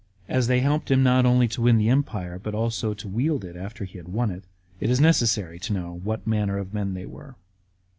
As they helped him not only to win the empire, hut also to wield it after he had won it, it is necessary to know what manner of men they were.